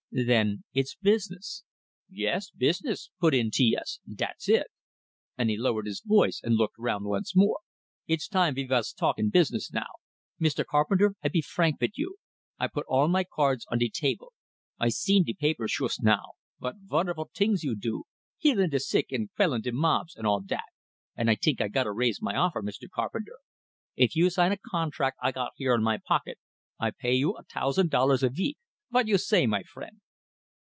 "Then it's business " "Yes, business " put in T S. "Dat's it!" And he lowered his voice, and looked round once more. "It's time we vas talkin' business now! Mr. Carpenter, I be frank vit you, I put all my cards on de table. I seen de papers shoost now, vot vunderful tings you do healin' de sick and quellin' de mobs and all dat and I tink I gotta raise my offer, Mr. Carpenter. If you sign a contract I got here in my pocket, I pay you a tousand dollars a veek. Vot you say, my friend?"